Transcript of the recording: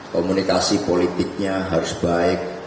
komunikasi politiknya harus baik